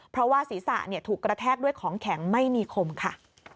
เพราะว่าศีรษะถูกกระแทกด้วยของแข็งไม่มีคมค่ะ